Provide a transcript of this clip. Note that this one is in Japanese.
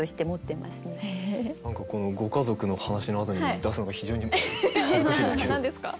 何かご家族の話のあとに出すのが非常に恥ずかしいんですけど。